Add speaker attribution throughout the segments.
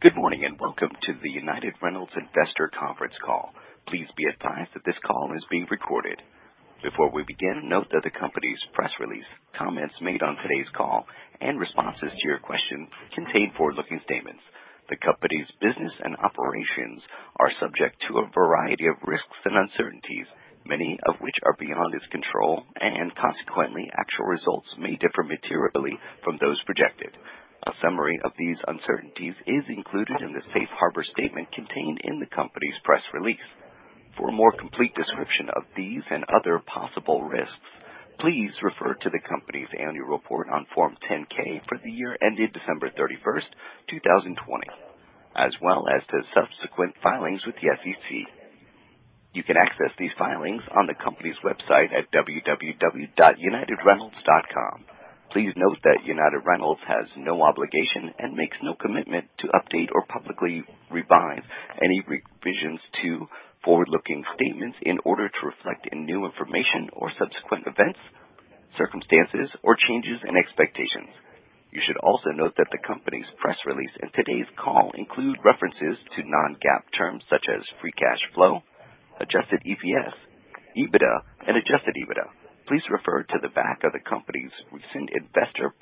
Speaker 1: Good morning, welcome to the United Rentals Investor Conference Call. Please be advised that this call is being recorded. Before we begin, note that the company's press release, comments made on today's call, and responses to your questions contain forward-looking statements. The company's business and operations are subject to a variety of risks and uncertainties, many of which are beyond its control, and consequently, actual results may differ materially from those projected. A summary of these uncertainties is included in the safe harbor statement contained in the company's press release. For a more complete description of these and other possible risks, please refer to the company's annual report on Form 10-K for the year ended December 31st, 2020, as well as to subsequent filings with the SEC. You can access these filings on the company's website at www.unitedrentals.com. Please note that United Rentals has no obligation and makes no commitment to update or publicly revise any revisions to forward-looking statements in order to reflect any new information or subsequent events, circumstances, or changes in expectations. You should also note that the company's press release in today's call include references to non-GAAP terms such as free cash flow, adjusted EPS, EBITDA, and adjusted EBITDA. Please refer to the back of the company's recent investor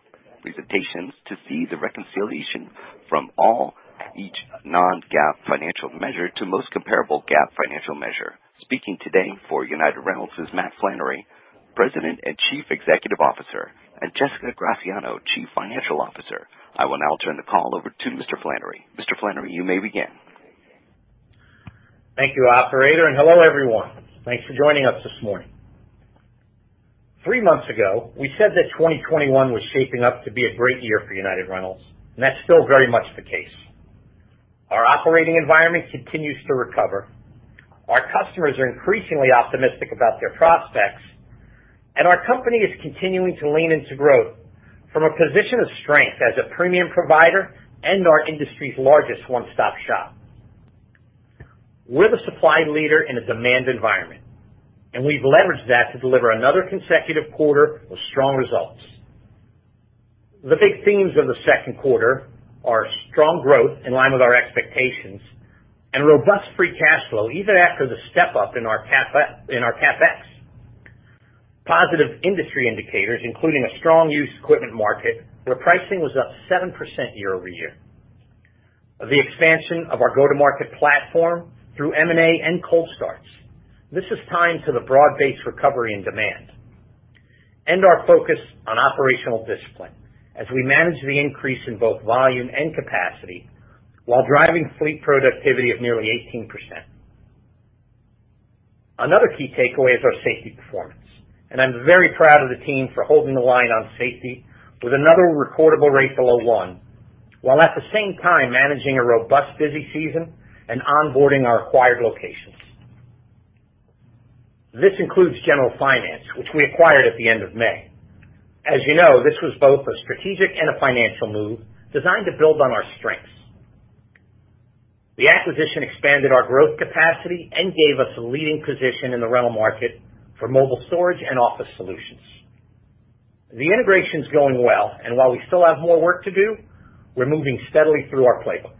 Speaker 1: presentations to see the reconciliation from all each non-GAAP financial measure to most comparable GAAP financial measure. Speaking today for United Rentals is Matt Flannery, President and Chief Executive Officer, and Jessica Graziano, Chief Financial Officer. I will now turn the call over to Mr. Flannery. Mr. Flannery, you may begin.
Speaker 2: Thank you, operator. Hello, everyone. Thanks for joining us this morning. Three months ago, we said that 2021 was shaping up to be a great year for United Rentals, and that's still very much the case. Our operating environment continues to recover. Our customers are increasingly optimistic about their prospects, and our company is continuing to lean into growth from a position of strength as a premium provider and our industry's largest one-stop shop. We're the supply leader in a demand environment, and we've leveraged that to deliver another consecutive quarter with strong results. The big themes of the second quarter are strong growth in line with our expectations and robust free cash flow even after the step-up in our CapEx. Positive industry indicators, including a strong used equipment market where pricing was up 7% year-over-year. The expansion of our go-to-market platform through M&A and cold starts. This is tied to the broad-based recovery and demand. Our focus on operational discipline as we manage the increase in both volume and capacity while driving fleet productivity of nearly 18%. Another key takeaway is our safety performance, and I'm very proud of the team for holding the line on safety with another recordable rate below one, while at the same time managing a robust busy season and onboarding our acquired locations. This includes General Finance, which we acquired at the end of May. As you know, this was both a strategic and a financial move designed to build on our strengths. The acquisition expanded our growth capacity and gave us a leading position in the rental market for mobile storage and office solutions. The integration's going well, and while we still have more work to do, we're moving steadily through our playbook.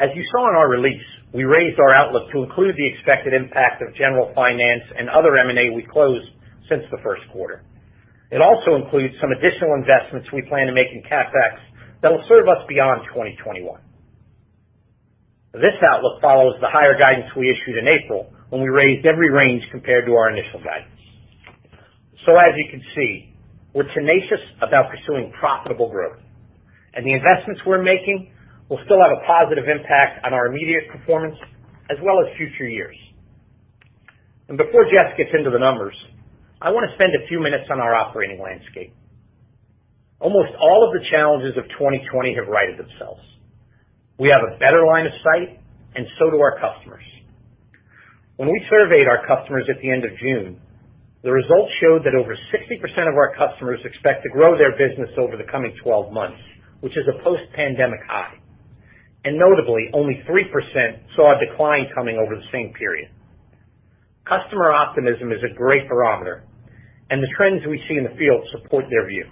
Speaker 2: As you saw in our release, we raised our outlook to include the expected impact of General Finance and other M&A we closed since the first quarter. It also includes some additional investments we plan to make in CapEx that will serve us beyond 2021. This outlook follows the higher guidance we issued in April when we raised every range compared to our initial guidance. As you can see, we're tenacious about pursuing profitable growth, and the investments we're making will still have a positive impact on our immediate performance as well as future years. Before Jess gets into the numbers, I want to spend a few minutes on our operating landscape. Almost all of the challenges of 2020 have righted themselves. We have a better line of sight, and so do our customers. When we surveyed our customers at the end of June, the results showed that over 60% of our customers expect to grow their business over the coming 12 months, which is a post-pandemic high. Notably, only 3% saw a decline coming over the same period. Customer optimism is a great barometer, and the trends we see in the field support their view.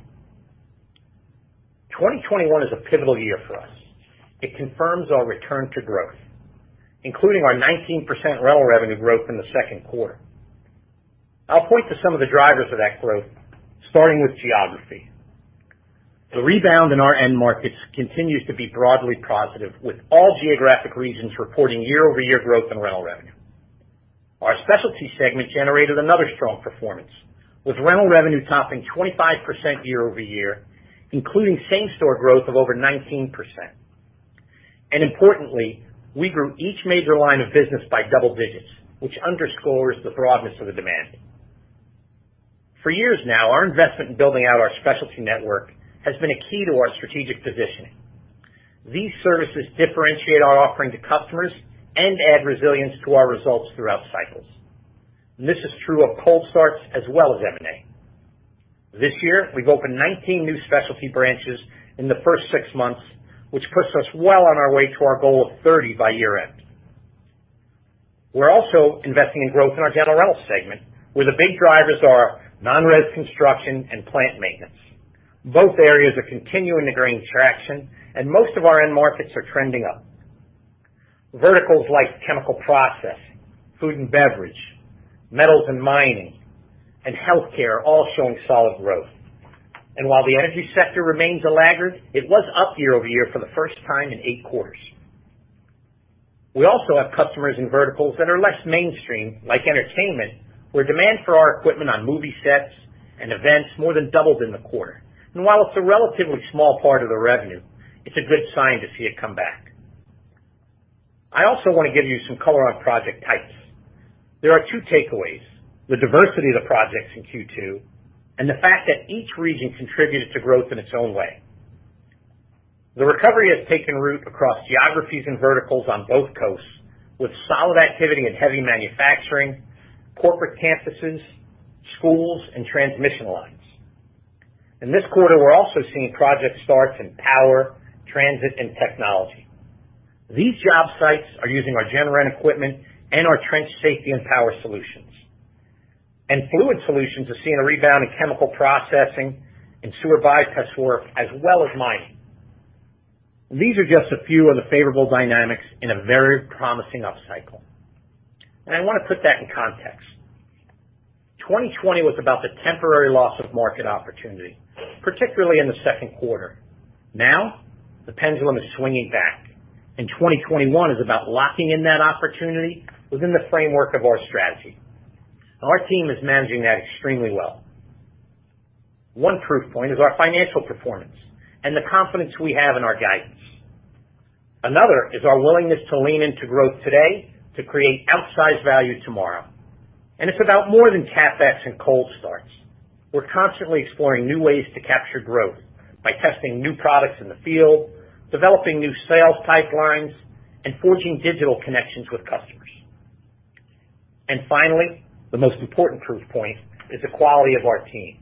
Speaker 2: 2021 is a pivotal year for us. It confirms our return to growth, including our 19% rental revenue growth in the second quarter. I'll point to some of the drivers of that growth, starting with geography. The rebound in our end markets continues to be broadly positive, with all geographic regions reporting year-over-year growth in rental revenue. Our Specialty segment generated another strong performance, with rental revenue topping 25% year-over-year, including same-store growth of over 19%. Importantly, we grew each major line of business by double digits, which underscores the broadness of the demand. For years now, our investment in building out our specialty network has been a key to our strategic positioning. These services differentiate our offering to customers and add resilience to our results throughout cycles. This is true of cold starts as well as M&A. This year, we've opened 19 new specialty branches in the first six months, which puts us well on our way to our goal of 30 by year-end. We're also investing in growth in our general rental segment, where the big drivers are non-res construction and plant maintenance. Both areas are continuing to gain traction, and most of our end markets are trending up. Verticals like chemical process, food and beverage, metals and mining, and healthcare are all showing solid growth. While the energy sector remains a laggard, it was up year-over-year for the first time in eight quarters. We also have customers and verticals that are less mainstream, like entertainment, where demand for our equipment on movie sets and events more than doubled in the quarter. While it's a relatively small part of the revenue, it's a good sign to see it come back. I also want to give you some color on project types. There are two takeaways, the diversity of the projects in Q2, and the fact that each region contributed to growth in its own way. The recovery has taken root across geographies and verticals on both coasts, with solid activity in heavy manufacturing, corporate campuses, schools, and transmission lines. In this quarter, we're also seeing project starts in power, transit, and technology. These job sites are using our general rental equipment and our trench safety and power solutions. Fluid solutions are seeing a rebound in chemical processing and sewer bypass work, as well as mining. These are just a few of the favorable dynamics in a very promising upcycle. I want to put that in context. 2020 was about the temporary loss of market opportunity, particularly in the second quarter. Now the pendulum is swinging back, and 2021 is about locking in that opportunity within the framework of our strategy. Our team is managing that extremely well. One proof point is our financial performance and the confidence we have in our guidance. Another is our willingness to lean into growth today to create outsized value tomorrow. It's about more than CapEx and cold starts. We're constantly exploring new ways to capture growth by testing new products in the field, developing new sales pipelines, and forging digital connections with customers. Finally, the most important proof point is the quality of our team.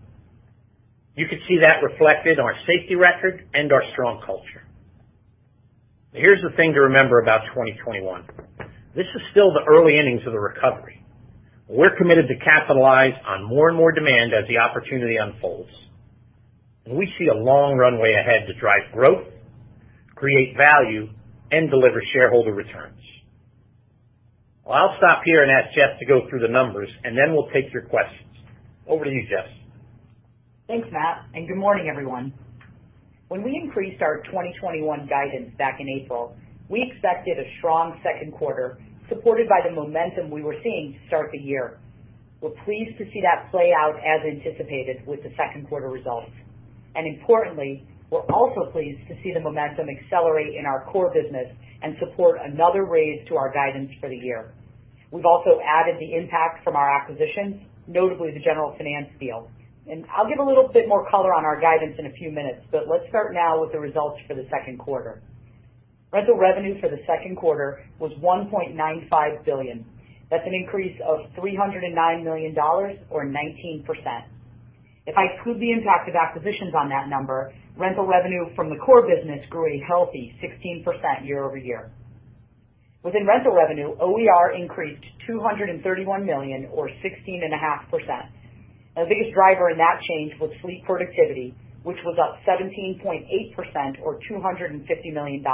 Speaker 2: You could see that reflected in our safety record and our strong culture. Here's the thing to remember about 2021. This is still the early innings of the recovery. We're committed to capitalize on more and more demand as the opportunity unfolds. We see a long runway ahead to drive growth, create value, and deliver shareholder returns. I'll stop here and ask Jess to go through the numbers, and then we'll take your questions. Over to you, Jess.
Speaker 3: Thanks, Matt, and good morning, everyone. When we increased our 2021 guidance back in April, we expected a strong second quarter supported by the momentum we were seeing to start the year. We're pleased to see that play out as anticipated with the second quarter results. Importantly, we're also pleased to see the momentum accelerate in our core business and support another raise to our guidance for the year. We've also added the impact from our acquisitions, notably the General Finance deal. I'll give a little bit more color on our guidance in a few minutes, but let's start now with the results for the second quarter. Rental revenue for the second quarter was $1.95 billion. That's an increase of $309 million or 19%. If I exclude the impact of acquisitions on that number, rental revenue from the core business grew a healthy 16% year-over-year. Within rental revenue, OER increased $231 million or 16.5%. The biggest driver in that change was fleet productivity, which was up 17.8% or $250 million.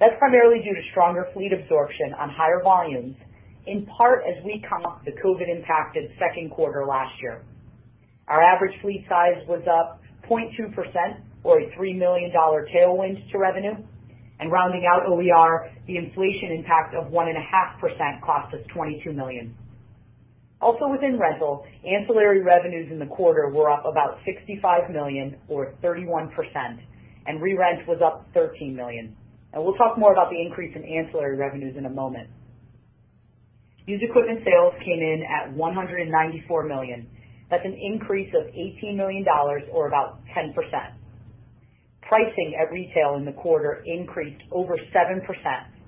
Speaker 3: That's primarily due to stronger fleet absorption on higher volumes, in part as we comp the COVID-impacted second quarter last year. Our average fleet size was up 0.2% or a $3 million tailwind to revenue. Rounding out OER, the inflation impact of 1.5% cost us $22 million. Also within rental, ancillary revenues in the quarter were up about $65 million or 31%, and re-rent was up $13 million. We'll talk more about the increase in ancillary revenues in a moment. Used equipment sales came in at $194 million. That's an increase of $18 million or about 10%. Pricing at retail in the quarter increased over 7%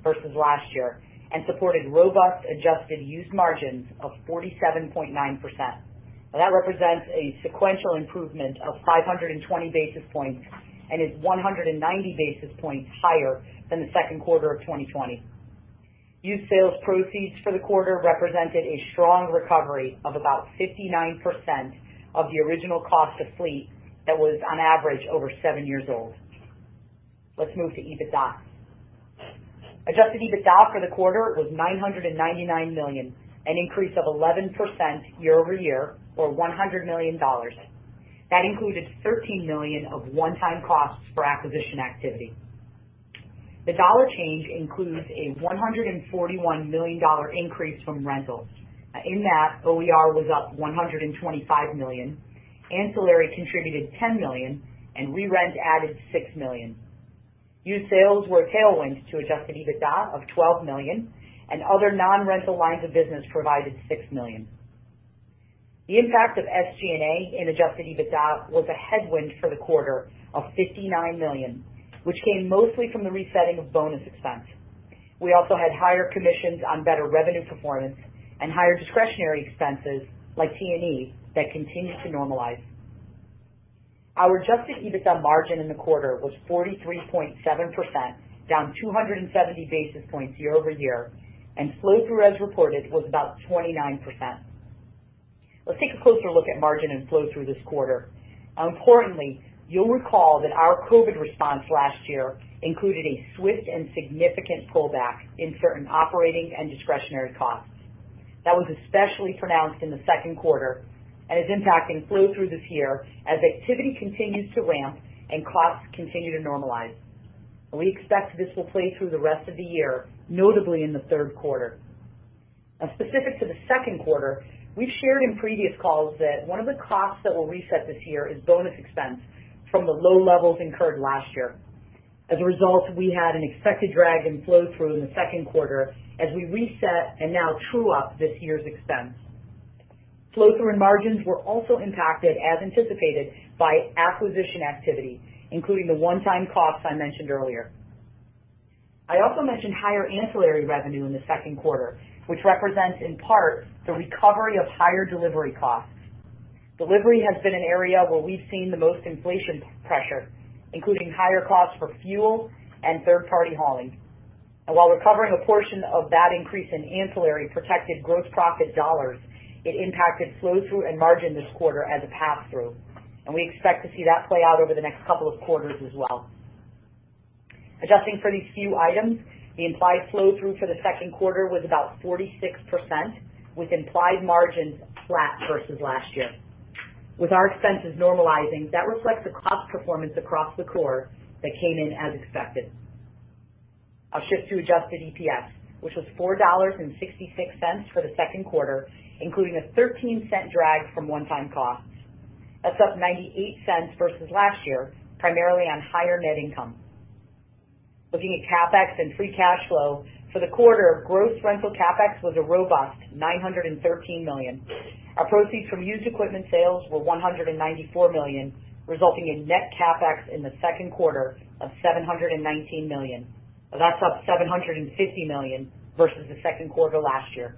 Speaker 3: versus last year and supported robust adjusted used margins of 47.9%. Now that represents a sequential improvement of 520 basis points and is 190 basis points higher than the second quarter of 2020. Used sales proceeds for the quarter represented a strong recovery of about 59% of the original cost of fleet that was on average over seven years old. Let's move to EBITDA. Adjusted EBITDA for the quarter was $999 million, an increase of 11% year-over-year or $100 million. That included $13 million of one-time costs for acquisition activity. The dollar change includes a $141 million increase from rentals. In that, OER was up $125 million. Ancillary contributed $10 million and re-rent added $6 million. Used sales were a tailwind to adjusted EBITDA of $12 million and other non-rental lines of business provided $6 million. The impact of SG&A in adjusted EBITDA was a headwind for the quarter of $59 million which came mostly from the resetting of bonus expense. We also had higher commissions on better revenue performance and higher discretionary expenses like T&E that continued to normalize. Our adjusted EBITDA margin in the quarter was 43.7%, down 270 basis points year-over-year, and flow-through as reported was about 29%. Let's take a closer look at margin and flow-through this quarter. Importantly, you'll recall that our COVID response last year included a swift and significant pullback in certain operating and discretionary costs. That was especially pronounced in the second quarter and is impacting flow-through this year as activity continues to ramp and costs continue to normalize. We expect this will play through the rest of the year, notably in the third quarter. Now, specific to the second quarter, we've shared in previous calls that one of the costs that will reset this year is bonus expense from the low levels incurred last year. As a result, we had an expected drag in flow-through in the second quarter as we reset and now true up this year's expense. Flow-through and margins were also impacted, as anticipated, by acquisition activity, including the one-time costs I mentioned earlier. I also mentioned higher ancillary revenue in the second quarter, which represents, in part, the recovery of higher delivery costs. Delivery has been an area where we've seen the most inflation pressure, including higher costs for fuel and third-party hauling. While recovering a portion of that increase in ancillary protected gross profit dollars, it impacted flow-through and margin this quarter as a pass-through, and we expect to see that play out over the next couple of quarters as well. Adjusting for these few items, the implied flow-through for the second quarter was about 46%, with implied margins flat versus last year. With our expenses normalizing, that reflects a cost performance across the core that came in as expected. I'll shift to adjusted EPS, which was $4.66 for the second quarter, including a $0.13 drag from one-time costs. That's up $0.98 versus last year, primarily on higher net income. Looking at CapEx and free cash flow for the quarter, gross rental CapEx was a robust $913 million. Our proceeds from used equipment sales were $194 million, resulting in net CapEx in the second quarter of $719 million. That's up $750 million versus the second quarter last year.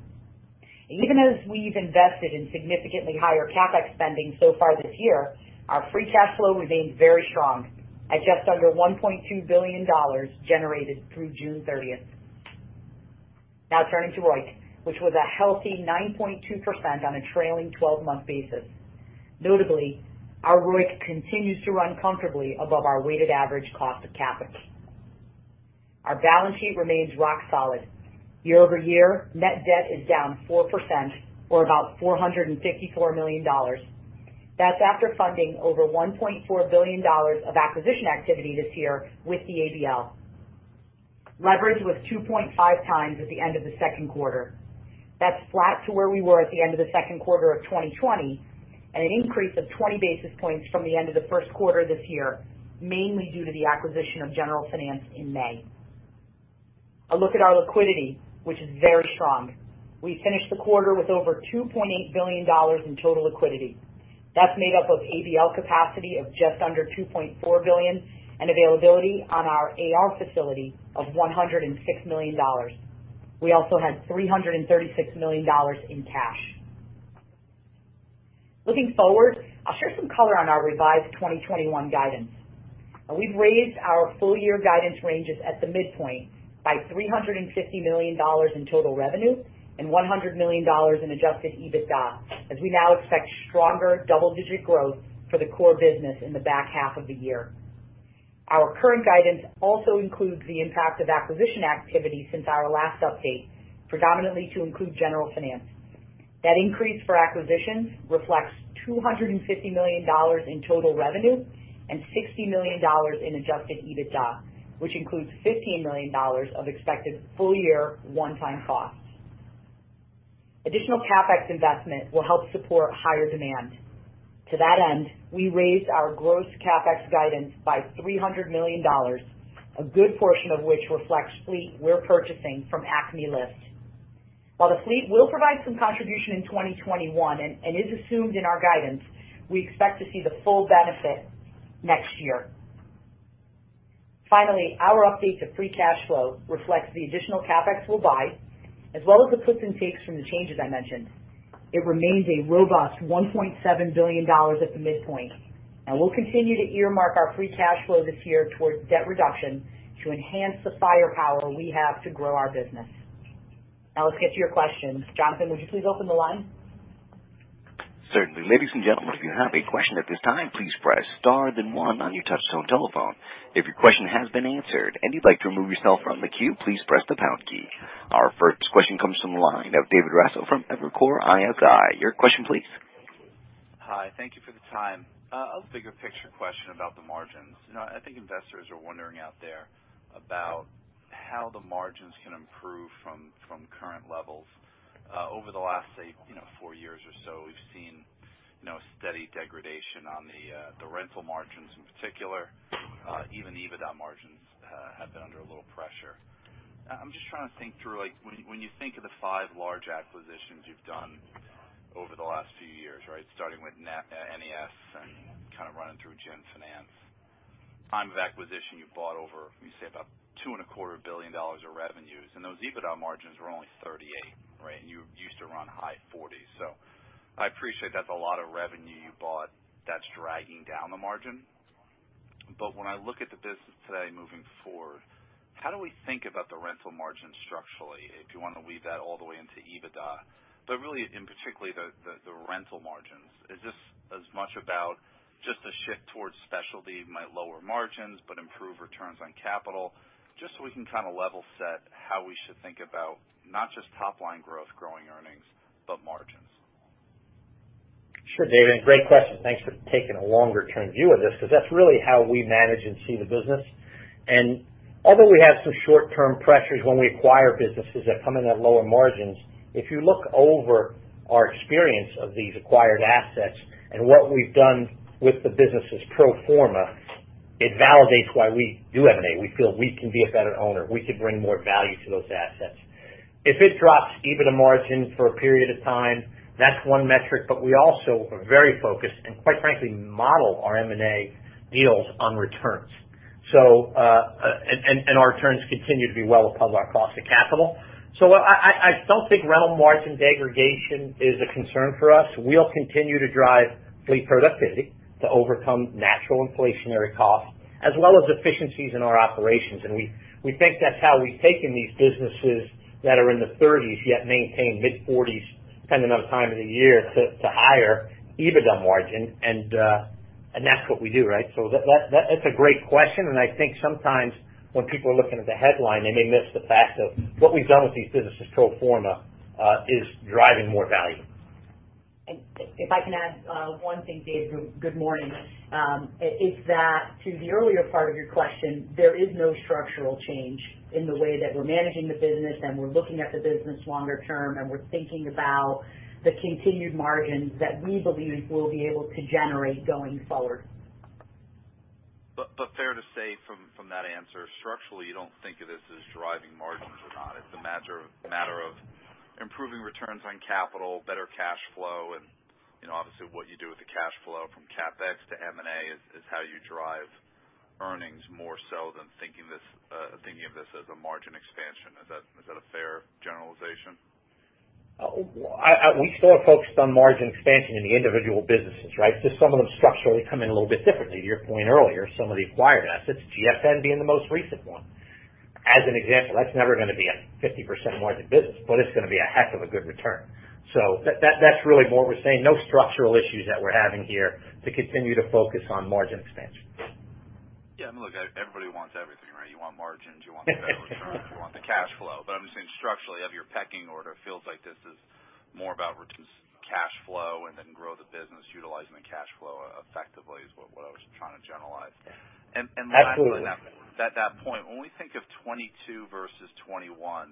Speaker 3: Even as we've invested in significantly higher CapEx spending so far this year, our free cash flow remains very strong at just under $1.2 billion generated through June 30th. Turning to ROIC, which was a healthy 9.2% on a trailing 12-month basis. Notably, our ROIC continues to run comfortably above our weighted average cost of capital. Our balance sheet remains rock solid. Year-over-year, net debt is down 4%, or about $454 million. That's after funding over $1.4 billion of acquisition activity this year with the ABL. Leverage was 2.5x at the end of the second quarter. That's flat to where we were at the end of the second quarter of 2020, and an increase of 20 basis points from the end of the first quarter this year, mainly due to the acquisition of General Finance in May. A look at our liquidity, which is very strong. We finished the quarter with over $2.8 billion in total liquidity. That's made up of ABL capacity of just under $2.4 billion and availability on our AR facility of $106 million. We also had $336 million in cash. Looking forward, I'll share some color on our revised 2021 guidance. We've raised our full year guidance ranges at the midpoint by $350 million in total revenue and $100 million in adjusted EBITDA, as we now expect stronger double-digit growth for the core business in the back half of the year. Our current guidance also includes the impact of acquisition activity since our last update, predominantly to include General Finance. That increase for acquisitions reflects $250 million in total revenue and $60 million in adjusted EBITDA, which includes $15 million of expected full-year one-time costs. Additional CapEx investment will help support higher demand. To that end, we raised our gross CapEx guidance by $300 million, a good portion of which reflects fleet we're purchasing from Acme Lift. While the fleet will provide some contribution in 2021 and is assumed in our guidance, we expect to see the full benefit next year. Finally, our update to free cash flow reflects the additional CapEx we'll buy, as well as the puts and takes from the changes I mentioned. It remains a robust $1.7 billion at the midpoint. We'll continue to earmark our free cash flow this year towards debt reduction to enhance the firepower we have to grow our business. Now let's get to your questions. Jonathan, would you please open the line?
Speaker 1: Certainly. Ladies and gentlemen, if you have a question at this time, please press star then one on your touchtone telephone. If your question has been answered and you'd like to remove yourself from the queue, please press the pound key. Our first question comes from the line of David Raso from Evercore ISI. Your question please.
Speaker 4: Hi. Thank you for the time. A bigger picture question about the margins. I think investors are wondering out there about how the margins can improve from current levels. Over the last, say, four years or so, we've seen steady degradation on the rental margins in particular. Even the EBITDA margins have been under a little pressure. I'm just trying to think through, when you think of the five large acquisitions you've done over the last few years, right? Starting with NES and kind of running through General Finance. Time of acquisition, you bought over, we say, about $2.25 billion of revenues, and those EBITDA margins were only 38%, right? You used to run high 40%. I appreciate that's a lot of revenue you bought that's dragging down the margin. When I look at the business today moving forward, how do we think about the rental margin structurally, if you want to weave that all the way into EBITDA? Really in particular, the rental margins. Is this as much about just a shift towards specialty might lower margins but improve returns on capital? Just so we can kind of level set how we should think about not just top-line growth growing earnings, but margins.
Speaker 2: Sure, David, great question. Thanks for taking a longer-term view of this, because that's really how we manage and see the business. Although we have some short-term pressures when we acquire businesses that come in at lower margins, if you look over our experience of these acquired assets and what we've done with the businesses pro forma, it validates why we do M&A. We feel we can be a better owner. We could bring more value to those assets. If it drops EBITDA margins for a period of time, that's one metric. We also are very focused and, quite frankly, model our M&A deals on returns. Our returns continue to be well above our cost of capital. I don't think rental margin degradation is a concern for us. We'll continue to drive fleet productivity to overcome natural inflationary costs as well as efficiencies in our operations. We think that's how we've taken these businesses that are in the 30s yet maintain mid-40s, depending on the time of the year, to higher EBITDA margin, and that's what we do, right? That's a great question, and I think sometimes when people are looking at the headline, they may miss the fact of what we've done with these businesses pro forma is driving more value.
Speaker 3: If I can add one thing, Dave, good morning. It's that to the earlier part of your question, there is no structural change in the way that we're managing the business and we're looking at the business longer term, and we're thinking about the continued margins that we believe we'll be able to generate going forward.
Speaker 4: Fair to say from that answer, structurally, you don't think of this as driving margins or not. It's a matter of improving returns on capital, better cash flow, and obviously, what you do with the cash flow from CapEx to M&A is how you drive earnings more so than thinking of this as a margin expansion. Is that a fair generalization?
Speaker 2: We still are focused on margin expansion in the individual businesses, right? Some of them structurally come in a little bit differently. To your point earlier, some of the acquired assets, GFN being the most recent one. That's never going to be a 50% margin business, but it's going to be a heck of a good return. That's really more we're saying. No structural issues that we're having here to continue to focus on margin expansion.
Speaker 4: Yeah, look, everybody wants everything, right? You want margins, you want better returns, you want the cash flow. I'm just saying structurally, of your pecking order, it feels like this is more about returns, cash flow, and then grow the business utilizing the cash flow effectively is what I was trying to generalize.
Speaker 2: Yeah. Absolutely.
Speaker 4: Lastly at that point, when we think of 2022 versus 2021,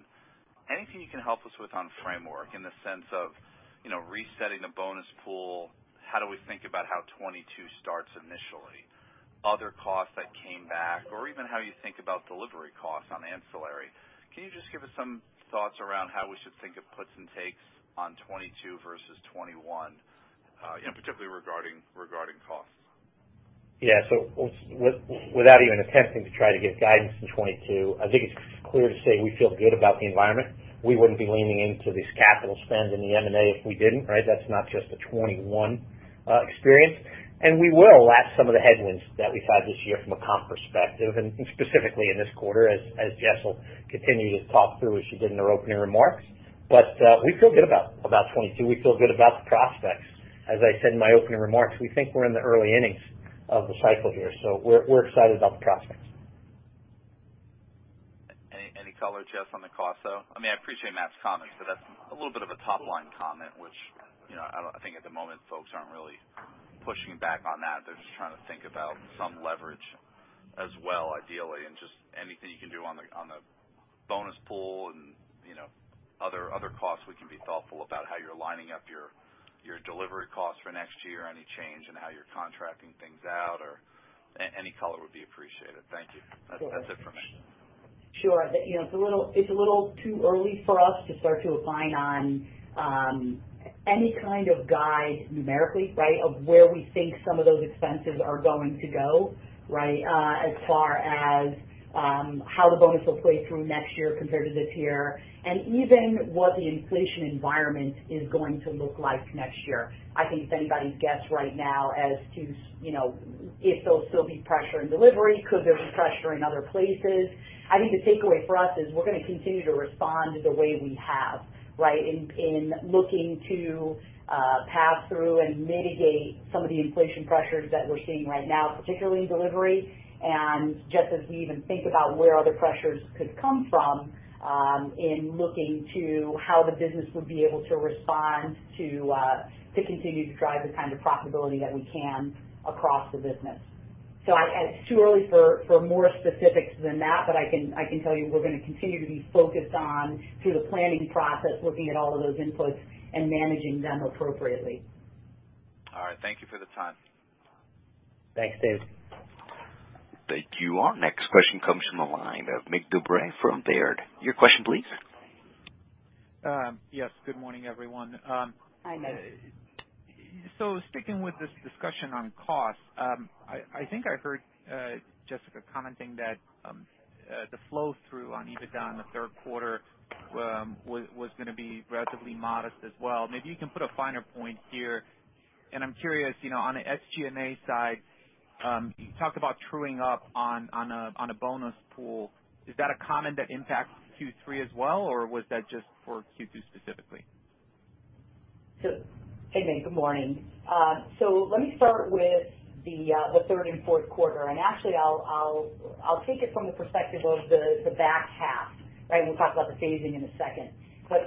Speaker 4: anything you can help us with on framework in the sense of resetting the bonus pool? How do we think about how 2022 starts initially? Are there costs that came back or even how you think about delivery costs on ancillary? Can you just give us some thoughts around how we should think of puts and takes on 2022 versus 2021, particularly regarding costs?
Speaker 2: Yeah. Without even attempting to try to give guidance to 2022, I think it's clear to say we feel good about the environment. We wouldn't be leaning into this capital spend in the M&A if we didn't, right? That's not just a 2021 experience. We will lap some of the headwinds that we saw this year from a comp perspective, and specifically in this quarter, as Jess will continue to talk through as she did in her opening remarks. We feel good about 2022. We feel good about the prospects. As I said in my opening remarks, we think we're in the early innings of the cycle here. We're excited about the prospects.
Speaker 4: Any color, Jess, on the cost, though? I appreciate Matt's comments, but that's a little bit of a top-line comment, which I think at the moment, folks aren't really pushing back on that. They're just trying to think about some leverage as well, ideally. Just anything you can do on the bonus pool and other costs we can be thoughtful about how you're lining up your delivery costs for next year, any change in how you're contracting things out or any color would be appreciated. Thank you. That's it for me.
Speaker 3: Sure. It's a little too early for us to start to opine on any kind of guide numerically, right? Of where we think some of those expenses are going to go, right? As far as how the bonus will play through next year compared to this year, and even what the inflation environment is going to look like next year. I think it's anybody's guess right now as to if there'll still be pressure in delivery, could there be pressure in other places? I think the takeaway for us is we're going to continue to respond the way we have, right? In looking to pass through and mitigate some of the inflation pressures that we're seeing right now, particularly in delivery, and just as we even think about where other pressures could come from in looking to how the business would be able to respond to continue to drive the kind of profitability that we can across the business. It's too early for more specifics than that. I can tell you we're going to continue to be focused on through the planning process, looking at all of those inputs and managing them appropriately.
Speaker 4: All right. Thank you for the time.
Speaker 2: Thanks, Dave.
Speaker 1: Thank you. Our next question comes from the line of Mig Dobre from Baird. Your question, please.
Speaker 5: Yes. Good morning, everyone.
Speaker 3: Hi, Mig.
Speaker 5: Sticking with this discussion on cost, I think I heard Jessica commenting that the flow-through on EBITDA in the third quarter was going to be relatively modest as well. Maybe you can put a finer point here. I'm curious, on the SG&A side, you talked about truing up on a bonus pool. Is that a comment that impacts Q3 as well, or was that just for Q2 specifically?
Speaker 3: Hey, Mig. Good morning. Let me start with the third and fourth quarter, and actually, I'll take it from the perspective of the back half, right? We'll talk about the phasing in a second.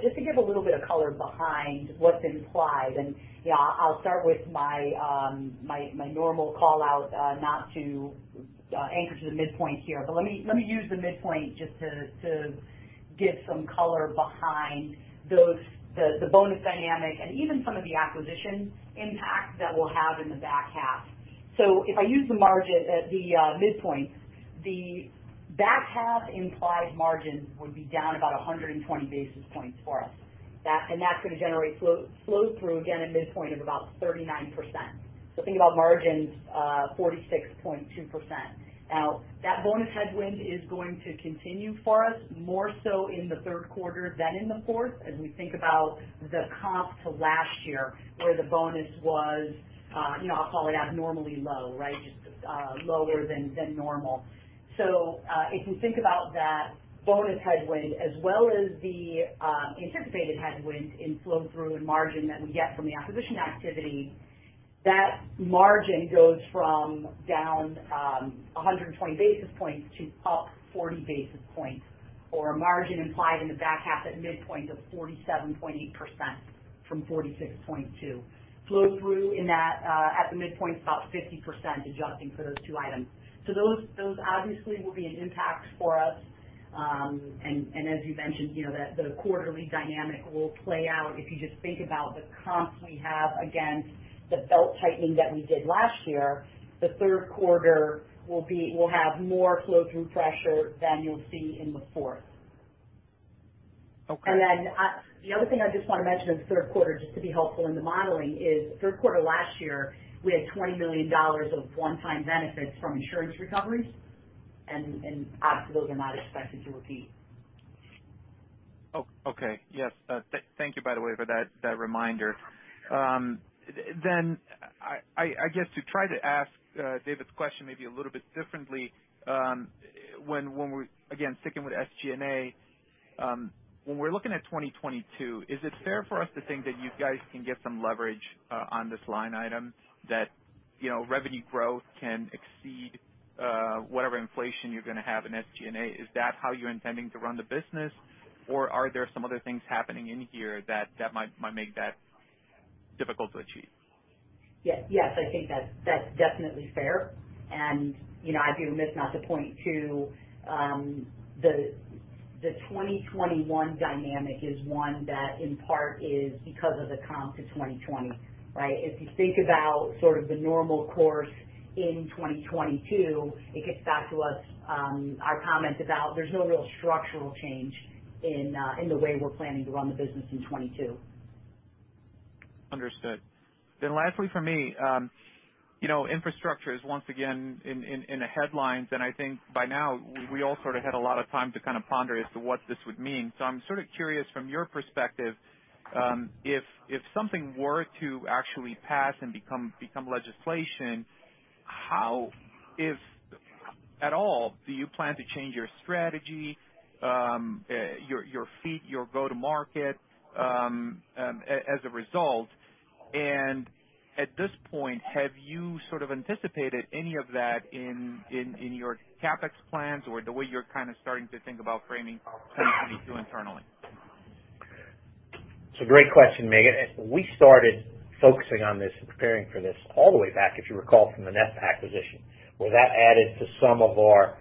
Speaker 3: Just to give a little bit of color behind what's implied, and I'll start with my normal call-out, not to anchor to the midpoint here, but let me use the midpoint just to give some color behind the bonus dynamic and even some of the acquisition impact that we'll have in the back half. If I use the midpoint, the back half implied margins would be down about 120 basis points for us. That's going to generate flow-through, again, at midpoint of about 39%. Think about margins, 46.2%. That bonus headwind is going to continue for us, more so in the third quarter than in the fourth, as we think about the comp to last year, where the bonus was, I'll call it abnormally low, right? Just lower than normal. If you think about that bonus headwind as well as the anticipated headwind in flow-through and margin that we get from the acquisition activity, that margin goes from down 120 basis points to up 40 basis points. A margin implied in the back half at midpoint of 47.8% from 46.2%. Flow-through at the midpoint is about 50%, adjusting for those two items. Those obviously will be an impact for us. As you mentioned, the quarterly dynamic will play out. If you just think about the comps we have against the belt-tightening that we did last year, the third quarter will have more flow-through pressure than you'll see in the fourth.
Speaker 5: Okay.
Speaker 3: The other thing I just want to mention in the third quarter, just to be helpful in the modeling, is third quarter last year, we had $20 million of one-time benefits from insurance recoveries. Obviously, those are not expected to repeat.
Speaker 5: Okay. Yes. Thank you, by the way, for that reminder. I guess to try to ask David's question maybe a little bit differently. Again, sticking with SG&A, when we're looking at 2022, is it fair for us to think that you guys can get some leverage on this line item that revenue growth can exceed whatever inflation you're going to have in SG&A? Is that how you're intending to run the business, or are there some other things happening in here that might make that difficult to achieve?
Speaker 3: Yes, I think that's definitely fair. Not to point to the 2021 dynamic is one that in part is because of the comp to 2020, right? If you think about sort of the normal course in 2022, it gets back to our comment about there's no real structural change in the way we're planning to run the business in 2022.
Speaker 5: Understood. Lastly from me, infrastructure is once again in the headlines. I think by now, we all sort of had a lot of time to kind of ponder as to what this would mean. I'm sort of curious from your perspective, if something were to actually pass and become legislation, how, if at all, do you plan to change your strategy, your fleet, your go to market as a result? At this point, have you sort of anticipated any of that in your CapEx plans or the way you're kind of starting to think about framing 2022 internally?
Speaker 2: It's a great question, Mig. We started focusing on this and preparing for this all the way back, if you recall, from the Neff acquisition, where that added to some of our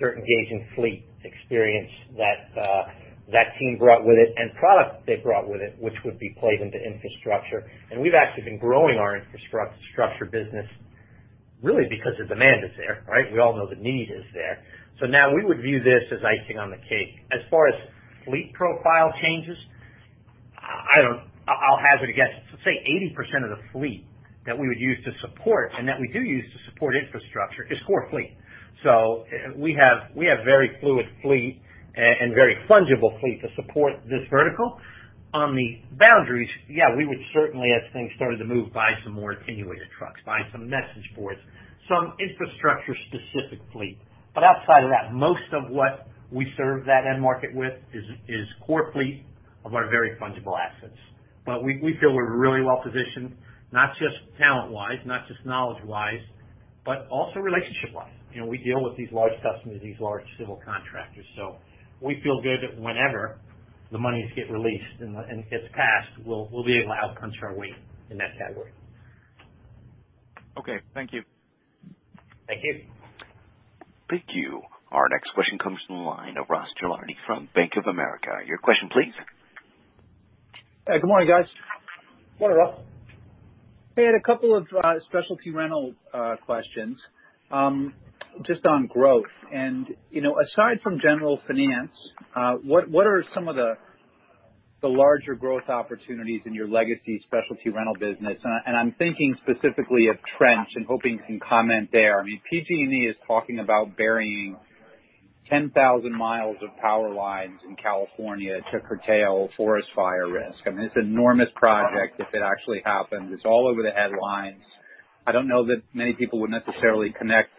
Speaker 2: dirt engagement fleet experience that team brought with it and product they brought with it, which would be played into infrastructure. We've actually been growing our infrastructure business really because the demand is there, right? We all know the need is there. Now we would view this as icing on the cake. As far as fleet profile changes, I'll hazard a guess to say 80% of the fleet that we would use to support and that we do use to support infrastructure is core fleet. We have very fluid fleet and very fungible fleet to support this vertical. On the boundaries, yeah, we would certainly, as things started to move, buy some more attenuator trucks, buy some message boards, some infrastructure-specific fleet. Outside of that, most of what we serve that end market with is core fleet of our very fungible assets. We feel we're really well positioned, not just talent-wise, not just knowledge-wise, but also relationship-wise. We deal with these large customers, these large civil contractors. We feel good that whenever the monies get released and it gets passed, we'll be able to out-punch our weight in that category.
Speaker 5: Okay. Thank you.
Speaker 2: Thank you.
Speaker 1: Thank you. Our next question comes from the line of Ross Gilardi from Bank of America. Your question please.
Speaker 6: Good morning, guys.
Speaker 2: Morning, Ross.
Speaker 6: Hey, I had a couple of specialty rental questions. Just on growth, aside from General Finance, what are some of the larger growth opportunities in your legacy specialty rental business? I'm thinking specifically of trench and hoping you can comment there. PG&E is talking about burying 10,000 mi of power lines in California to curtail forest fire risk. It's an enormous project if it actually happens. It's all over the headlines. I don't know that many people would necessarily connect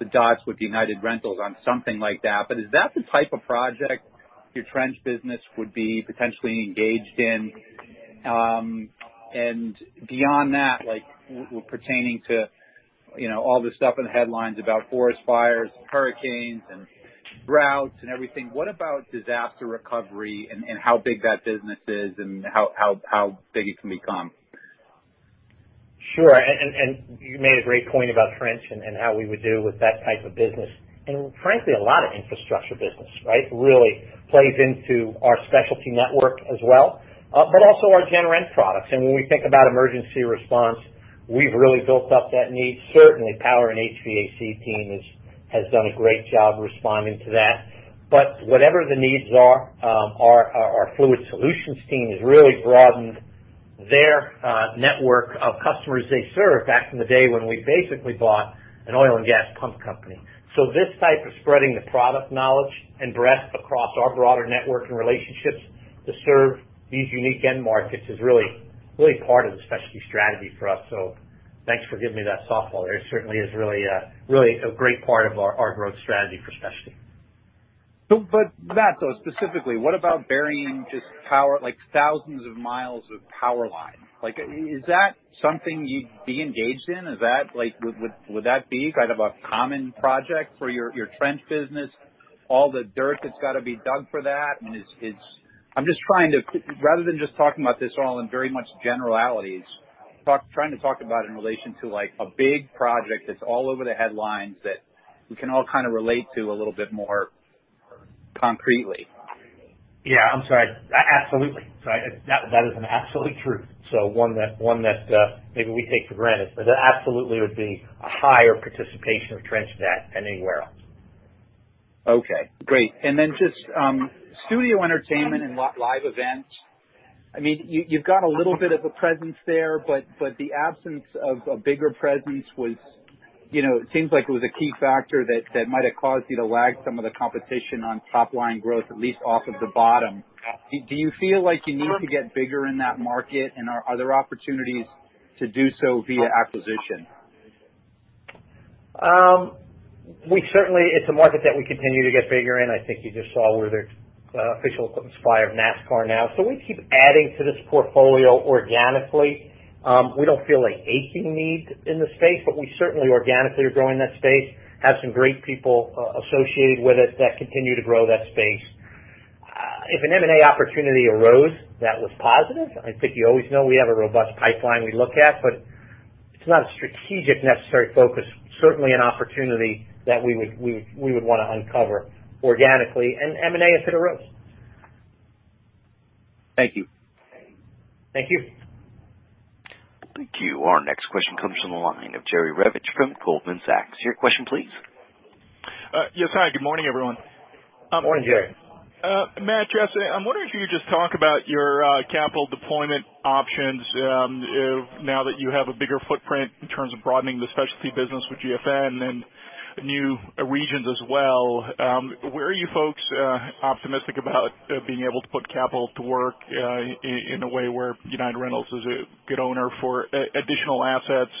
Speaker 6: the dots with United Rentals on something like that, is that the type of project your trench business would be potentially engaged in? Beyond that, pertaining to all the stuff in the headlines about forest fires, hurricanes, and droughts and everything, what about disaster recovery and how big that business is and how big it can become?
Speaker 2: Sure. You made a great point about trench and how we would do with that type of business. Frankly, a lot of infrastructure business, right, really plays into our specialty network as well. Also our gen rent products. When we think about emergency response, we've really built up that need. Certainly, power and HVAC team has done a great job responding to that. Whatever the needs are, our fluid solutions team has really broadened their network of customers they serve back in the day when we basically bought an oil and gas pump company. This type of spreading the product knowledge and breadth across our broader network and relationships to serve these unique end markets is really part of the specialty strategy for us. Thanks for giving me that softball there. It certainly is really a great part of our growth strategy for specialty.
Speaker 6: That, though, specifically, what about burying thousands of miles of power lines? Is that something you'd be engaged in? Would that be kind of a common project for your trench business? All the dirt that's got to be dug for that. Rather than just talking about this all in very much generalities, trying to talk about it in relation to a big project that's all over the headlines that we can all kind of relate to a little bit more concretely.
Speaker 2: Yeah, I'm sorry. Absolutely. Sorry, that is absolutely true. One that maybe we take for granted, but that absolutely would be a higher participation of trench in that than anywhere else.
Speaker 6: Okay, great. Just studio entertainment and live events. You've got a little bit of a presence there, but the absence of a bigger presence seems like it was a key factor that might have caused you to lag some of the competition on top line growth, at least off of the bottom. Do you feel like you need to get bigger in that market, and are there opportunities to do so via acquisition?
Speaker 2: It's a market that we continue to get bigger in. I think you just saw we're the official equipment supplier of NASCAR now. We keep adding to this portfolio organically. We don't feel an aching need in the space, but we certainly organically are growing that space, have some great people associated with us that continue to grow that space. If an M&A opportunity arose that was positive, I think you always know we have a robust pipeline we look at, but it's not a strategic necessary focus. Certainly an opportunity that we would want to uncover organically, and M&A if it arose.
Speaker 6: Thank you.
Speaker 2: Thank you.
Speaker 1: Thank you. Our next question comes from the line of Jerry Revich from Goldman Sachs. Your question, please.
Speaker 7: Yes. Hi, good morning, everyone.
Speaker 2: Morning, Jerry.
Speaker 7: Matt, Jess, I'm wondering if you could just talk about your capital deployment options now that you have a bigger footprint in terms of broadening the specialty business with GFN and new regions as well. Where are you folks optimistic about being able to put capital to work in a way where United Rentals is a good owner for additional assets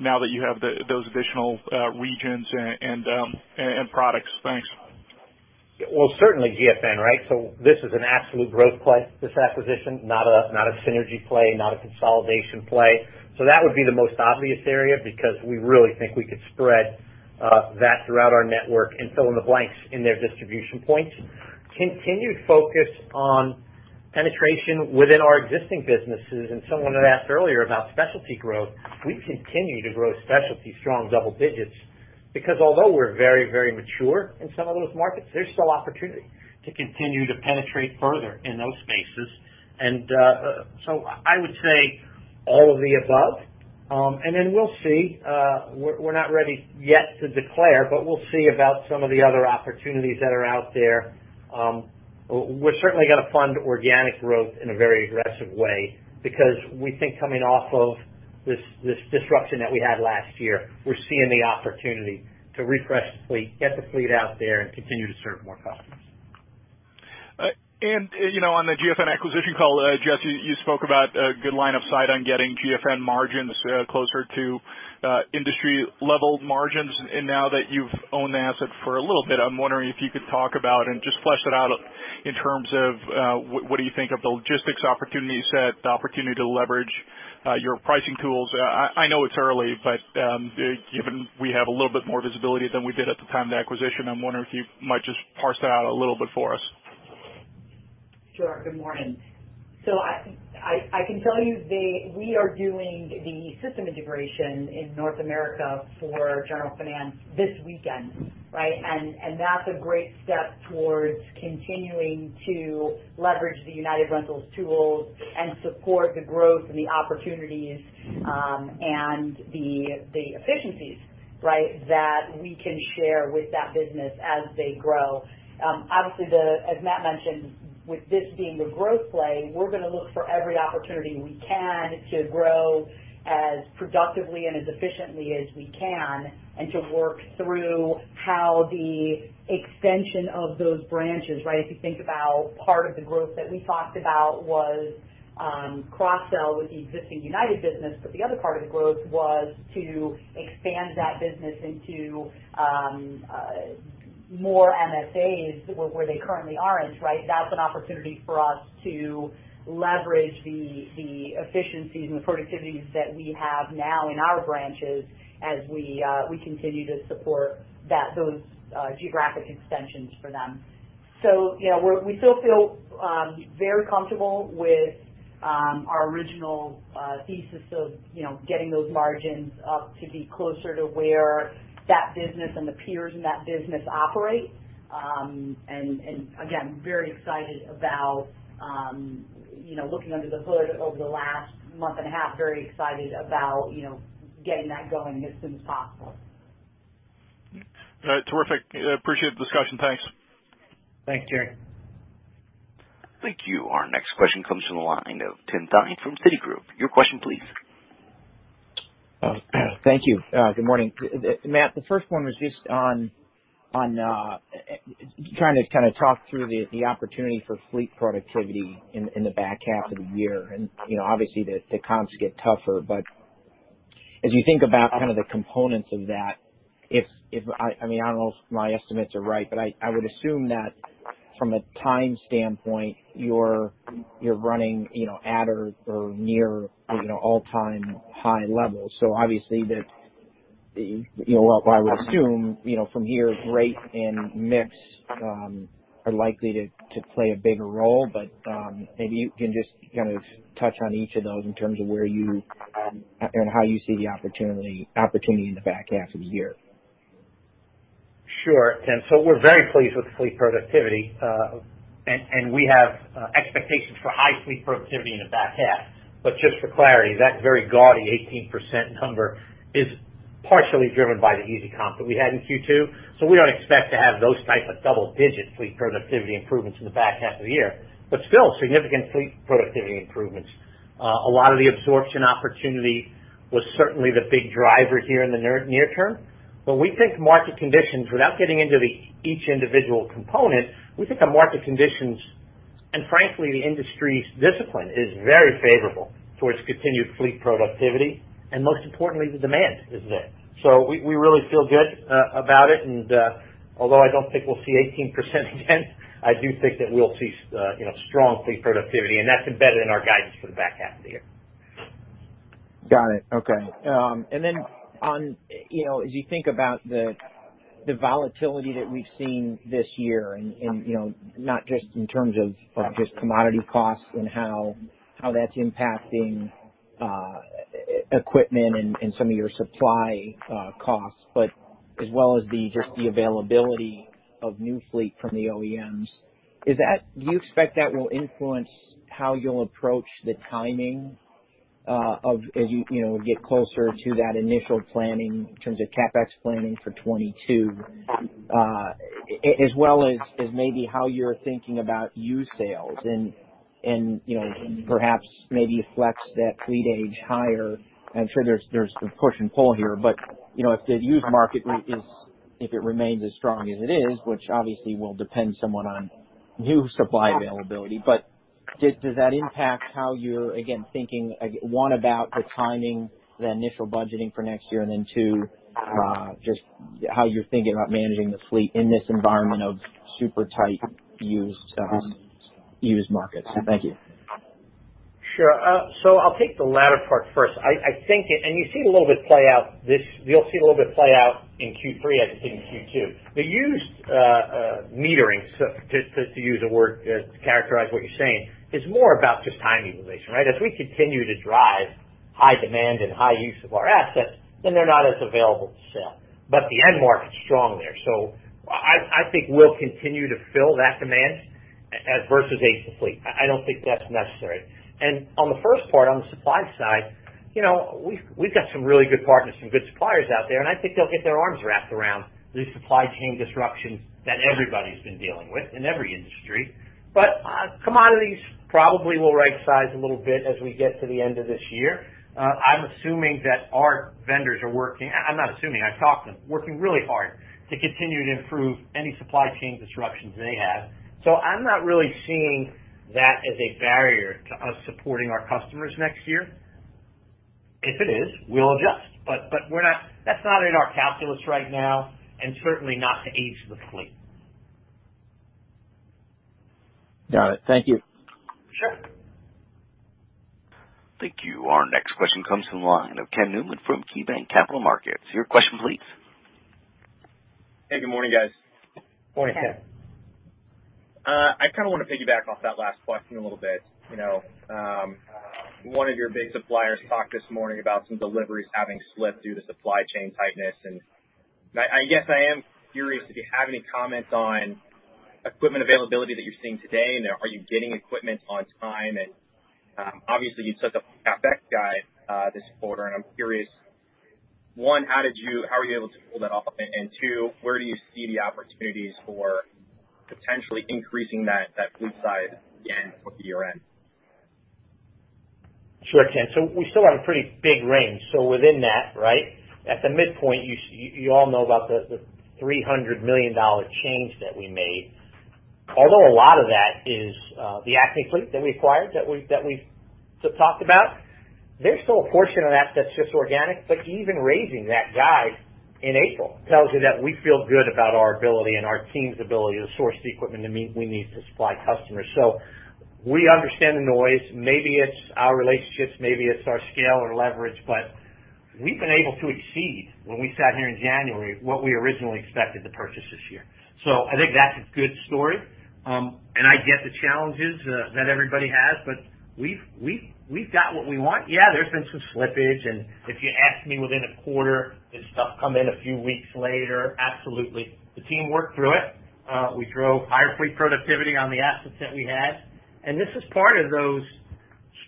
Speaker 7: now that you have those additional regions and products? Thanks.
Speaker 2: Well, certainly GFN, right? This is an absolute growth play, this acquisition, not a synergy play, not a consolidation play. That would be the most obvious area because we really think we could spread that throughout our network and fill in the blanks in their distribution points. Continued focus on penetration within our existing businesses. Someone had asked earlier about specialty growth. We continue to grow specialty strong double digits because although we're very mature in some of those markets, there's still opportunity to continue to penetrate further in those spaces. I would say all of the above. We'll see. We're not ready yet to declare. We'll see about some of the other opportunities that are out there. We're certainly going to fund organic growth in a very aggressive way because we think coming off of this disruption that we had last year, we're seeing the opportunity to refresh the fleet, get the fleet out there, and continue to serve more customers.
Speaker 7: On the GFN acquisition call, Jess, you spoke about good line of sight on getting GFN margins closer to industry-level margins. Now that you've owned the asset for a little bit, I'm wondering if you could talk about and just flesh that out in terms of what do you think are the logistics opportunity set, the opportunity to leverage your pricing tools? I know it's early, but given we have a little bit more visibility than we did at the time of the acquisition, I'm wondering if you might just parse that out a little bit for us.
Speaker 3: Sure. Good morning. I can tell you we are doing the system integration in North America for General Finance this weekend, right? That's a great step towards continuing to leverage the United Rentals tools and support the growth and the opportunities, and the efficiencies, right, that we can share with that business as they grow. Obviously, as Matt mentioned, with this being the growth play, we're going to look for every opportunity we can to grow as productively and as efficiently as we can, and to work through how the extension of those branches, right? If you think about part of the growth that we talked about was cross-sell with the existing United business, but the other part of the growth was to expand that business into more MSAs where they currently aren't, right? That's an opportunity for us to leverage the efficiencies and the productivities that we have now in our branches as we continue to support those geographic extensions for them. We still feel very comfortable with our original thesis of getting those margins up to be closer to where that business and the peers in that business operate. Very excited about looking under the hood over the last month and a half, very excited about getting that going as soon as possible.
Speaker 7: All right. Terrific. Appreciate the discussion. Thanks.
Speaker 2: Thanks, Jerry.
Speaker 1: Thank you. Our next question comes from the line of Tim Thein from Citigroup. Your question, please.
Speaker 8: Thank you. Good morning. Matt, the first one was just on trying to kind of talk through the opportunity for fleet productivity in the back half of the year. Obviously, the comps get tougher. As you think about kind of the components of that, I don't know if my estimates are right, but I would assume that from a time standpoint, you're running at or near an all-time high level. Obviously, what I would assume from here, rate and mix are likely to play a bigger role. Maybe you can just kind of touch on each of those in terms of how you see the opportunity in the back half of the year.
Speaker 2: Sure. We're very pleased with the fleet productivity. We have expectations for high fleet productivity in the back half. Just for clarity, that very gaudy 18% number is partially driven by the easy comp that we had in Q2. We don't expect to have those type of double-digit fleet productivity improvements in the back half of the year. Still significant fleet productivity improvements. A lot of the absorption opportunity was certainly the big driver here in the near term. We think market conditions, without getting into each individual component, we think the market conditions, and frankly, the industry's discipline is very favorable towards continued fleet productivity, and most importantly, the demand is there. We really feel good about it. Although I don't think we'll see 18% again I do think that we'll see strong fleet productivity, and that's embedded in our guidance for the back half of the year.
Speaker 8: Got it. Okay. As you think about the volatility that we've seen this year, not just in terms of commodity costs and how that's impacting equipment and some of your supply costs, but as well as just the availability of new fleet from the OEMs. Do you expect that will influence how you'll approach the timing as you get closer to that initial planning in terms of CapEx planning for '22, as well as maybe how you're thinking about used sales and perhaps maybe flex that fleet age higher? I'm sure there's some push and pull here. If the used market, if it remains as strong as it is, which obviously will depend somewhat on new supply availability, but does that impact how you're, again, thinking, one, about the timing, the initial budgeting for next year, and then two, just how you're thinking about managing the fleet in this environment of super tight used markets? Thank you.
Speaker 2: Sure. I'll take the latter part first. You'll see a little bit play out in Q3 as it did in Q2. The used metering, just to use a word to characterize what you're saying, is more about just timing relation, right? As we continue to drive high demand and high use of our assets, they're not as available to sell. The end market's strong there. I think we'll continue to fill that demand versus age the fleet. I don't think that's necessary. On the first part, on the supply side, we've got some really good partners, some good suppliers out there, and I think they'll get their arms wrapped around the supply chain disruptions that everybody's been dealing with in every industry. Commodities probably will right-size a little bit as we get to the end of this year. I'm not assuming, I've talked to them, working really hard to continue to improve any supply chain disruptions they have. I'm not really seeing that as a barrier to us supporting our customers next year. If it is, we'll adjust. That's not in our calculus right now, and certainly not to age the fleet.
Speaker 8: Got it. Thank you.
Speaker 2: Sure.
Speaker 1: Thank you. Our next question comes from the line of Ken Newman from KeyBanc Capital Markets. Your question please.
Speaker 9: Hey, good morning, guys.
Speaker 2: Morning, Ken.
Speaker 9: I kind of want to piggyback off that last question a little bit. One of your big suppliers talked this morning about some deliveries having slipped due to supply chain tightness. I guess I am curious if you have any comments on equipment availability that you're seeing today, and are you getting equipment on time? Obviously you set the CapEx guide this quarter, and I'm curious, one, how were you able to pull that off? two, where do you see the opportunities for potentially increasing that fleet size again for the year-end?
Speaker 2: Sure, Ken. We still have a pretty big range. Within that, right? At the midpoint, you all know about the $300 million change that we made. Although a lot of that is the Acme Lift that we acquired, that we've talked about. There's still a portion of that that's just organic. Even raising that guide in April tells you that we feel good about our ability and our team's ability to source the equipment that we need to supply customers. We understand the noise. Maybe it's our relationships, maybe it's our scale or leverage, we've been able to exceed, when we sat here in January, what we originally expected to purchase this year. I think that's a good story. I get the challenges that everybody has, we've got what we want. There's been some slippage. If you ask me within a quarter, did stuff come in a few weeks later? Absolutely. The team worked through it. We drove higher fleet productivity on the assets that we had. This is part of those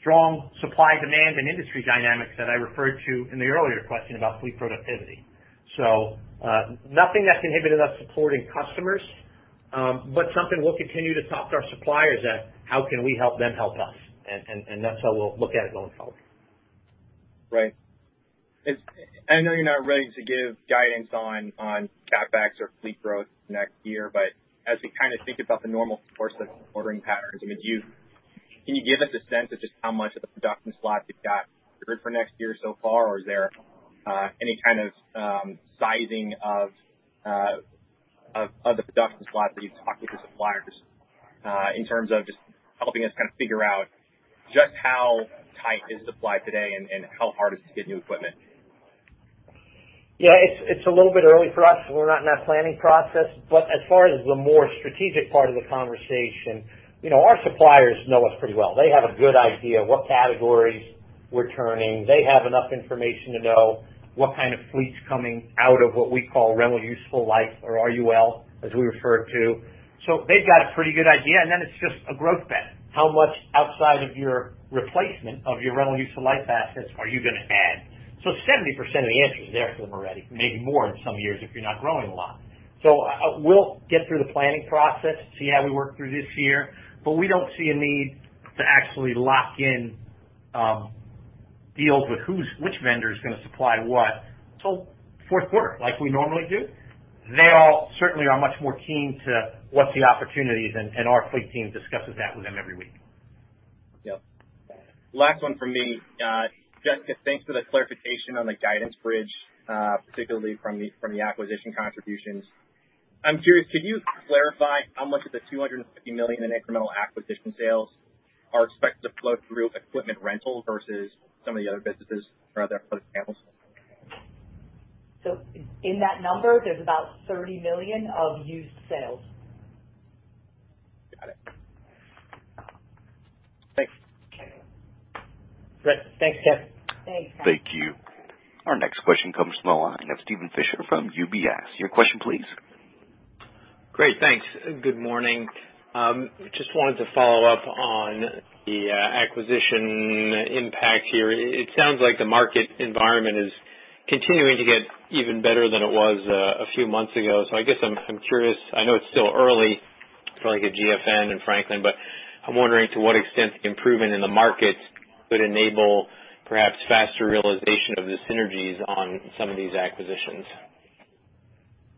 Speaker 2: strong supply, demand, and industry dynamics that I referred to in the earlier question about fleet productivity. Nothing that's inhibited us supporting customers, but something we'll continue to talk to our suppliers at how can we help them help us. That's how we'll look at it going forward.
Speaker 9: Right. I know you're not ready to give guidance on CapEx or fleet growth next year, but as we kind of think about the normal course of ordering patterns, can you give us a sense of just how much of the production slots you've got reserved for next year so far? Is there any kind of sizing of the production slots that you've talked with your suppliers, in terms of just helping us kind of figure out just how tight is supply today and how hard is it to get new equipment?
Speaker 2: Yeah, it's a little bit early for us. We're not in that planning process. As far as the more strategic part of the conversation, our suppliers know us pretty well. They have a good idea what categories we're turning. They have enough information to know what kind of fleet's coming out of what we call rental useful life or RUL, as we refer to. They've got a pretty good idea, and then it's just a growth bet. How much outside of your replacement of your rental useful life assets are you going to add? 70% of the answer is there for them already, maybe more in some years if you're not growing a lot. We'll get through the planning process, see how we work through this year, but we don't see a need to actually lock in deals with which vendor is going to supply what till fourth quarter, like we normally do. They all certainly are much more keen to what the opportunity is, and our fleet team discusses that with them every week.
Speaker 9: Yep. Last one from me. Jessica, thanks for the clarification on the guidance bridge, particularly from the acquisition contributions. I'm curious, could you clarify how much of the $250 million in incremental acquisition sales are expected to flow through equipment rental versus some of the other businesses? For example.
Speaker 3: In that number, there's about $30 million of used sales.
Speaker 9: Got it. Thanks.
Speaker 2: Great. Thanks, Ken.
Speaker 3: Thanks.
Speaker 1: Thank you. Our next question comes from the line of Steven Fisher from UBS. Your question please.
Speaker 10: Great. Thanks. Good morning. Just wanted to follow up on the acquisition impact here. It sounds like the market environment is continuing to get even better than it was a few months ago. I guess I'm curious, I know it's still early for GFN and Franklin, but I'm wondering to what extent the improvement in the markets could enable perhaps faster realization of the synergies on some of these acquisitions.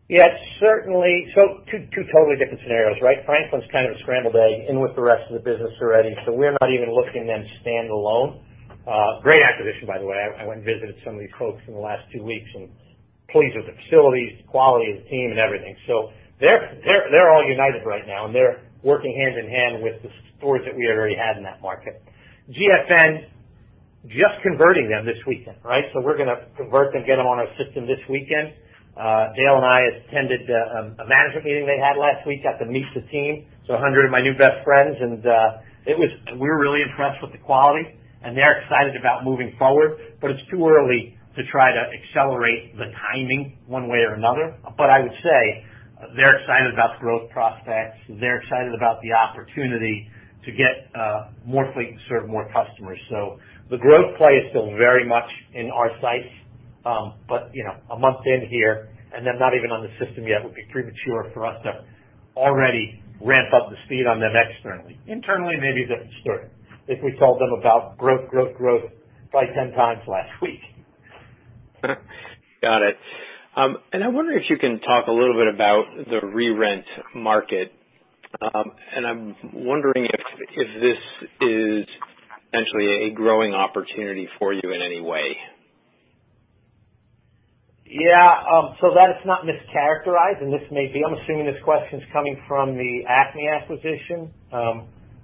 Speaker 2: Yeah. Certainly. Two totally different scenarios, right? Franklin's kind of a scrambled egg in with the rest of the business already, we're not even looking at them standalone. Great acquisition, by the way. I went and visited some of these folks in the last two weeks and pleased with the facilities, the quality of the team and everything. They're all United right now, and they're working hand in hand with the stores that we already had in that market. GFN, just converting them this weekend, right? We're going to convert them, get them on our system this weekend. Dale and I attended a management meeting they had last week, got to meet the team. 100 of my new best friends, and we were really impressed with the quality. They're excited about moving forward, but it's too early to try to accelerate the timing one way or another. I would say they're excited about growth prospects. They're excited about the opportunity to get more fleet to serve more customers. The growth play is still very much in our sights. A month in here, and they're not even on the system yet, would be premature for us to already ramp up the speed on them externally. Internally may be a different story. I think we told them about growth, growth probably 10 times last week.
Speaker 10: Got it. I wonder if you can talk a little bit about the re-rent market. I'm wondering if this is potentially a growing opportunity for you in any way.
Speaker 2: Yeah. That it's not mischaracterized, and I'm assuming this question's coming from the Acme acquisition.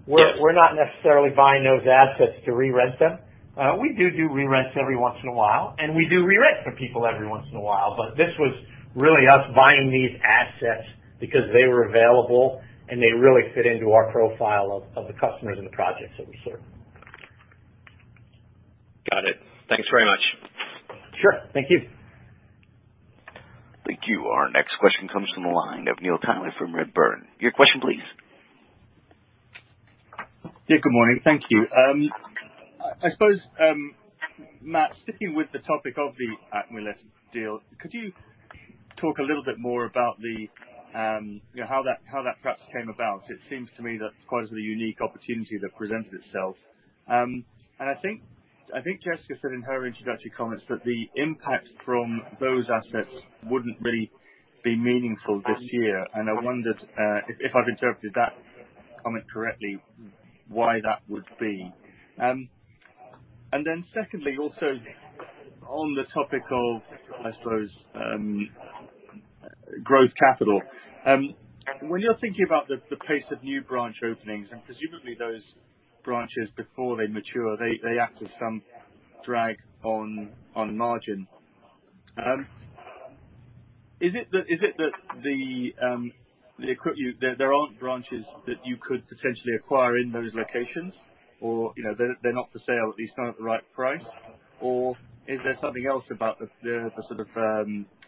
Speaker 2: We're not necessarily buying those assets to re-rent them. We do re-rents every once in a while. We do re-rent for people every once in a while. This was really us buying these assets because they were available, and they really fit into our profile of the customers and the projects that we serve.
Speaker 10: Got it. Thanks very much.
Speaker 2: Sure. Thank you.
Speaker 1: Thank you. Our next question comes from the line of Neil Tyler from Redburn. Your question please.
Speaker 11: Yeah, good morning. Thank you. I suppose, Matt, sticking with the topic of the Acme Lift, could you talk a little bit more about how that perhaps came about? It seems to me that quite a unique opportunity that presented itself. I think Jessica said in her introductory comments that the impact from those assets wouldn't really be meaningful this year. I wondered, if I've interpreted that comment correctly, why that would be. Secondly, also on the topic of, I suppose, growth capital. When you're thinking about the pace of new branch openings and presumably those branches before they mature, they act as some drag on margin. Is it that there aren't branches that you could potentially acquire in those locations? They're not for sale, at least not at the right price? Is there something else about the sort of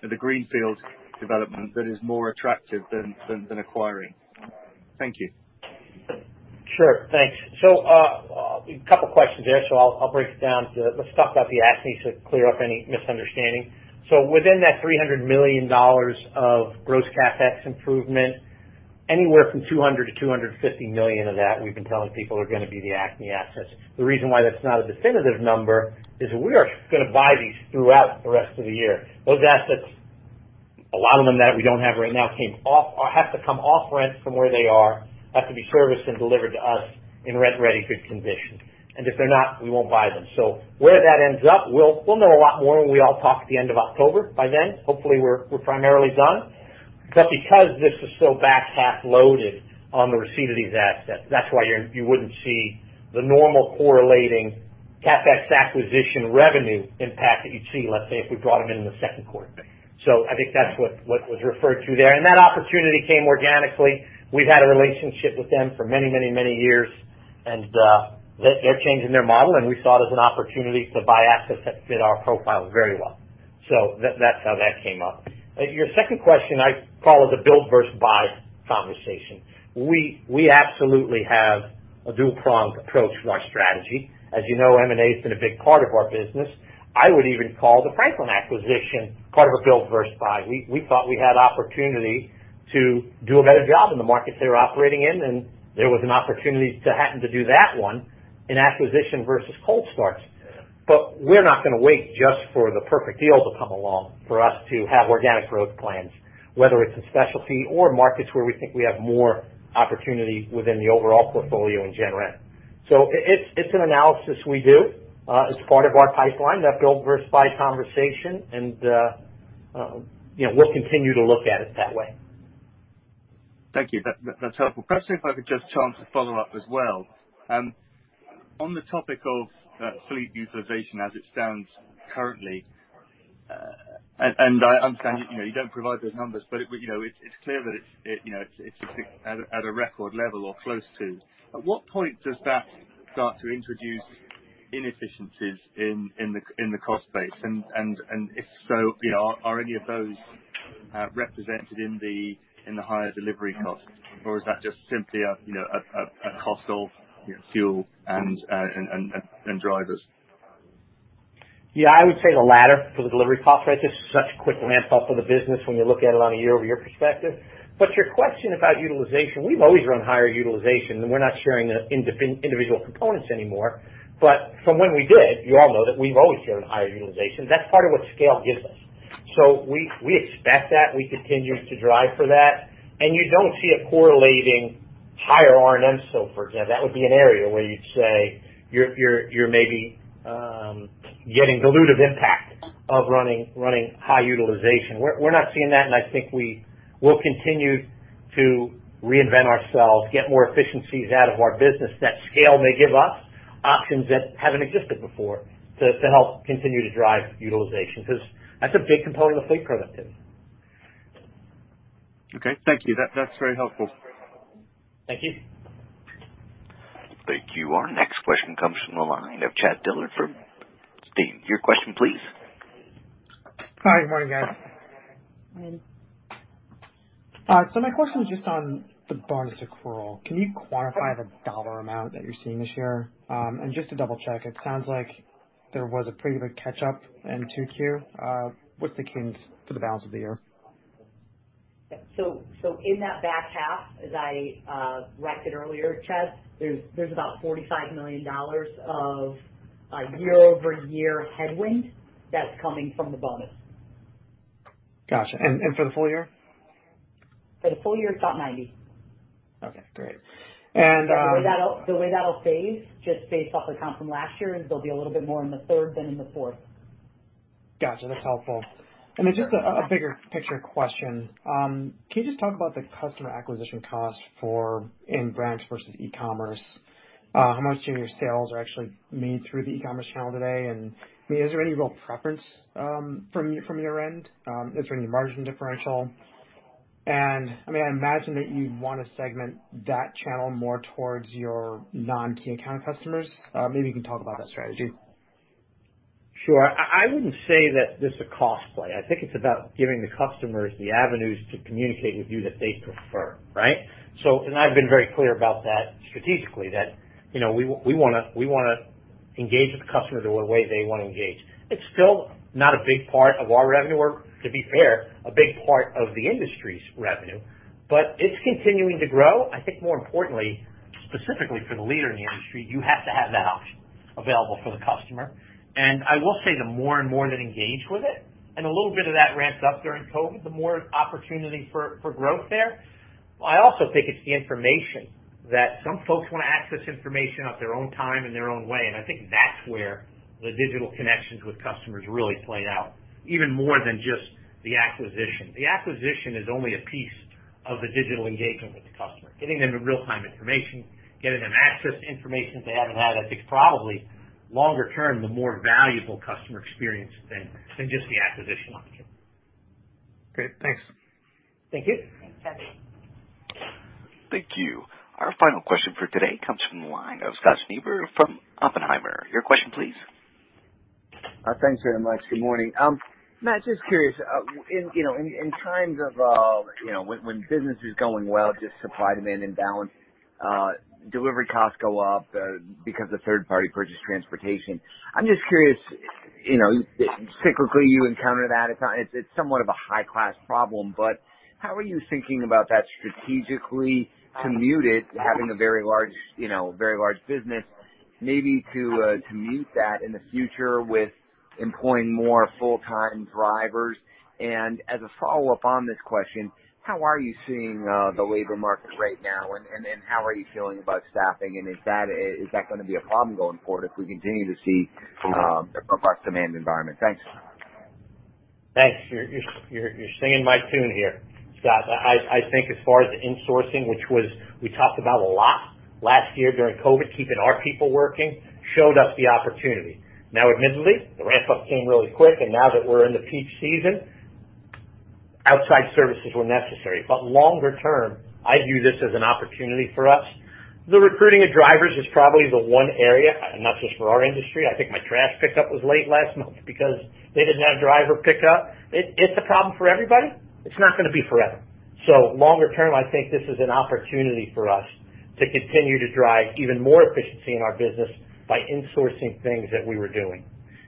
Speaker 11: the greenfield development that is more attractive than acquiring? Thank you.
Speaker 2: Sure. Thanks. A couple questions there. I'll break it down. Let's talk about the Acme to clear up any misunderstanding. Within that $300 million of gross CapEx improvement, anywhere from $200 million-$250 million of that we've been telling people are going to be the Acme assets. The reason why that's not a definitive number is we are going to buy these throughout the rest of the year. Those assets, a lot of them that we don't have right now, have to come off rent from where they are, have to be serviced and delivered to us in rent-ready good condition. If they're not, we won't buy them. Where that ends up, we'll know a lot more when we all talk at the end of October. By then, hopefully we're primarily done. Because this is so back-half loaded on the receipt of these assets, that's why you wouldn't see the normal correlating CapEx acquisition revenue impact that you'd see, let's say, if we brought them in in the second quarter. I think that's what was referred to there. That opportunity came organically. We've had a relationship with them for many years. They're changing their model, and we saw it as an opportunity to buy assets that fit our profile very well. That's how that came up. Your second question I call the build versus buy conversation. We absolutely have a dual-pronged approach to our strategy. As you know, M&A's been a big part of our business. I would even call the Franklin acquisition part of a build versus buy. We thought we had opportunity to do a better job in the markets they were operating in, and there was an opportunity to happen to do that one in acquisition versus cold starts. We're not going to wait just for the perfect deal to come along for us to have organic growth plans, whether it's in specialty or markets where we think we have more opportunity within the overall portfolio in general. It's an analysis we do as part of our pipeline, that build versus buy conversation, and we'll continue to look at it that way.
Speaker 11: Thank you. That's helpful. Perhaps if I could just chance a follow-up as well. On the topic of fleet utilization as it stands currently, and I understand you don't provide those numbers, but it's clear that it's at a record level or close to. At what point does that start to introduce inefficiencies in the cost base? If so, are any of those represented in the higher delivery costs, or is that just simply a cost of fuel and drivers?
Speaker 2: Yeah, I would say the latter for the delivery cost. This is such a quick ramp-up of the business when you look at it on a year-over-year perspective. Your question about utilization, we've always run higher utilization, and we're not sharing the individual components anymore. From when we did, you all know that we've always shared higher utilization. That's part of what scale gives us. We expect that. We continue to drive for that. You don't see a correlating higher R&M, so for example, that would be an area where you'd say you're maybe getting dilutive impact of running high utilization. We're not seeing that, and I think we will continue to reinvent ourselves, get more efficiencies out of our business. That scale may give us options that haven't existed before to help continue to drive utilization, because that's a big component of fleet productivity.
Speaker 11: Okay. Thank you. That's very helpful.
Speaker 2: Thank you.
Speaker 1: Thank you. Our next question comes from the line of Chad Dillard from Bernstein. Your question, please.
Speaker 12: Hi. Good morning, guys.
Speaker 3: Morning.
Speaker 12: My question is just on the bonus accrual. Can you quantify the dollar amount that you're seeing this year? Just to double-check, it sounds like there was a pretty big catch-up in 2Q. What's the current for the balance of the year?
Speaker 3: In that back half, as I reckoned it earlier, Chad, there's about $45 million of year-over-year headwind that's coming from the bonus.
Speaker 12: Gotcha. For the full year?
Speaker 3: For the full year, it's about $90.
Speaker 12: Okay, great.
Speaker 3: The way that'll phase, just based off the count from last year, is there'll be a little bit more in the third than in the fourth.
Speaker 12: Got you. That's helpful. Just a bigger picture question. Can you just talk about the customer acquisition cost in branch versus e-commerce? How much of your sales are actually made through the e-commerce channel today, and is there any real preference from your end? Is there any margin differential? I imagine that you'd want to segment that channel more towards your non-key account customers. Maybe you can talk about that strategy.
Speaker 2: Sure. I wouldn't say that this is a cost play. I think it's about giving the customers the avenues to communicate with you that they prefer, right? I've been very clear about that strategically, that we want to engage with the customer the way they want to engage. It's still not a big part of our revenue or, to be fair, a big part of the industry's revenue, but it's continuing to grow. I think more importantly, specifically for the leader in the industry, you have to have that option available for the customer. I will say the more and more they engage with it, and a little bit of that ramped up during COVID, the more opportunity for growth there. I also think it's the information that some folks want to access information on their own time, in their own way, and I think that's where the digital connections with customers really played out, even more than just the acquisition. The acquisition is only a piece of the digital engagement with the customer. Getting them the real-time information, getting them access to information they haven't had, I think is probably, longer term, the more valuable customer experience than just the acquisition option.
Speaker 12: Great. Thanks.
Speaker 2: Thank you.
Speaker 3: Thanks, Chad.
Speaker 1: Thank you. Our final question for today comes from the line of Scott Schneeberger from Oppenheimer. Your question please.
Speaker 13: Thanks very much. Good morning. Matt, just curious, in times of when business was going well, just supply, demand imbalance, delivery costs go up because of third party purchase transportation. I'm just curious, cyclically, you encounter that. It's somewhat of a high-class problem, but how are you thinking about that strategically to mute it, having a very large business, maybe to mute that in the future with employing more full-time drivers? As a follow-up on this question, how are you seeing the labor market right now, and how are you feeling about staffing? Is that going to be a problem going forward if we continue to see a robust demand environment? Thanks.
Speaker 2: Thanks. You're singing my tune here, Scott. I think as far as the insourcing, which we talked about a lot last year during COVID, keeping our people working, showed us the opportunity. Now, admittedly, the ramp up came really quick, and now that we're in the peak season, outside services were necessary. Longer term, I view this as an opportunity for us. The recruiting of drivers is probably the one area, not just for our industry. I think my trash pickup was late last month because they didn't have a driver pick up. It's a problem for everybody. It's not going to be forever. Longer term, I think this is an opportunity for us to continue to drive even more efficiency in our business by insourcing things that we were doing.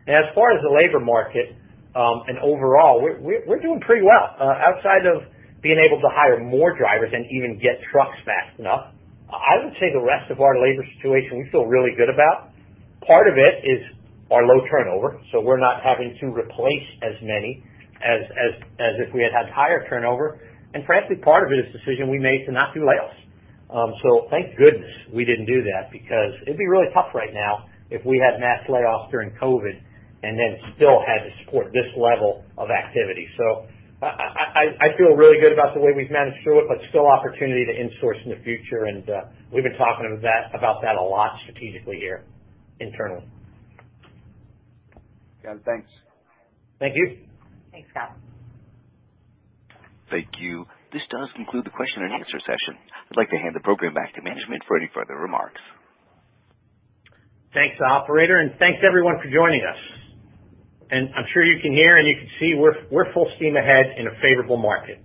Speaker 2: As far as the labor market and overall, we're doing pretty well. Outside of being able to hire more drivers and even get trucks fast enough, I would say the rest of our labor situation we feel really good about. Part of it is our low turnover. We're not having to replace as many as if we had higher turnover. Frankly, part of it is a decision we made to not do layoffs. Thank goodness we didn't do that because it'd be really tough right now if we had mass layoffs during COVID and then still had to support this level of activity. I feel really good about the way we've managed through it, but still opportunity to insource in the future, and we've been talking about that a lot strategically here internally.
Speaker 13: Got it. Thanks.
Speaker 2: Thank you.
Speaker 3: Thanks, Scott.
Speaker 1: Thank you. This does conclude the question and answer session. I'd like to hand the program back to management for any further remarks.
Speaker 2: Thanks, operator, thanks everyone for joining us. I'm sure you can hear and you can see we're full steam ahead in a favorable market.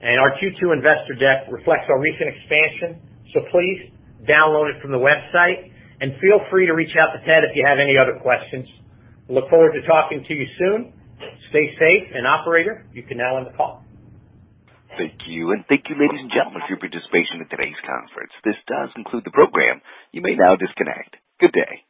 Speaker 2: Our Q2 investor deck reflects our recent expansion, so please download it from the website and feel free to reach out to Ted if you have any other questions. We look forward to talking to you soon. Stay safe, and operator, you can now end the call.
Speaker 1: Thank you. Thank you, ladies and gentlemen, for your participation in today's conference. This does conclude the program. You may now disconnect. Good day.